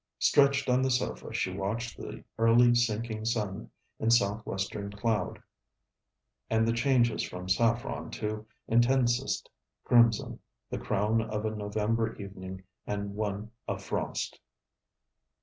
Stretched on the sofa, she watched the early sinking sun in South western cloud, and the changes from saffron to intensest crimson, the crown of a November evening, and one of frost.